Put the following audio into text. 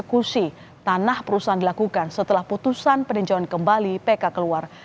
kursi tanah perusahaan dilakukan setelah putusan peninjauan kembali pk keluar